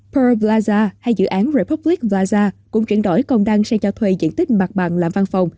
pearl plaza hay dự án republic plaza cũng chuyển đổi công năng sang cho thuê diện tích mặt bằng làm văn phòng